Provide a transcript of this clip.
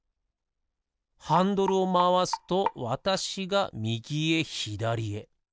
ハンドルをまわすとわたしがみぎへひだりへ。